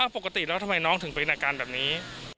ปกติแล้วทำไมน้องถึงเป็นอาการแบบนี้